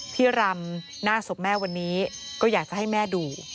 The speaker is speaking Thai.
รำหน้าศพแม่วันนี้ก็อยากจะให้แม่ดู